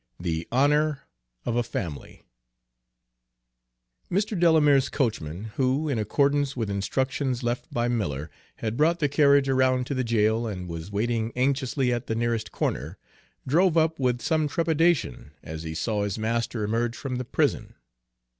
XXV THE HONOR OF A FAMILY Mr. Delamere's coachman, who, in accordance with instructions left by Miller, had brought the carriage around to the jail and was waiting anxiously at the nearest corner, drove up with some trepidation as he saw his master emerge from the prison.